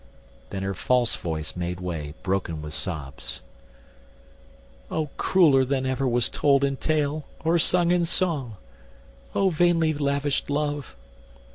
Then her false voice made way, broken with sobs: "O crueller than was ever told in tale, Or sung in song! O vainly lavished love!